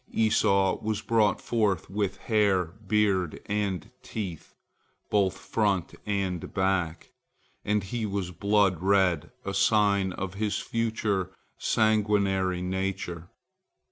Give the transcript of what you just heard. Esau was brought forth with hair, beard, and teeth, both front and back, and he was blood red, a sign of his future sanguinary nature.